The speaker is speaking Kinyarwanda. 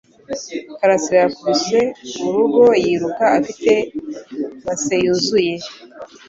Karasira yakubise urugo yiruka afite base yuzuye